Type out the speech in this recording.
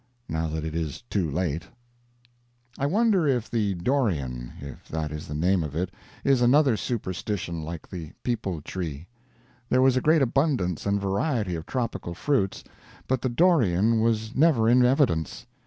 Now that it is too late. I wonder if the 'dorian', if that is the name of it, is another superstition, like the peepul tree. There was a great abundance and variety of tropical fruits, but the dorian was never in evidence.